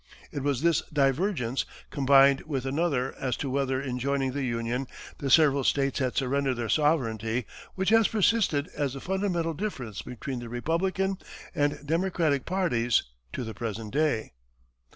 It was this divergence, combined with another as to whether, in joining the Union, the several states had surrendered their sovereignty, which has persisted as the fundamental difference between the Republican and Democratic parties to the present day.